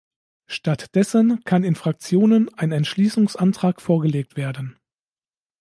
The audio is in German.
Stattdessen kann in Fraktionen ein Entschliessungsantrag vorgelegt werden.